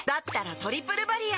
「トリプルバリア」